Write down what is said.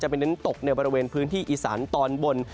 ไปเน้นตกในบริเวณพื้นที่อีสานตอนบน